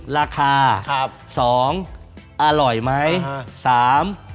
๑ราคา๒อร่อยไหม